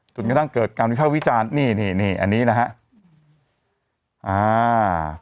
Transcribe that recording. จนกระทั่งเกิดการวิเคราะห์วิจารณ์นี่อันนี้นะครับ